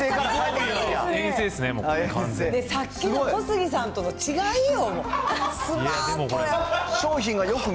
さっきの小杉さんとの違いよ。